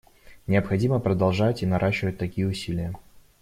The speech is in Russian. Необходимо продолжать и наращивать такие усилия.